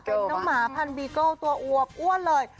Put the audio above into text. เป็นน้องหมาพันบีเกิลตัวอวบอ้วนเลย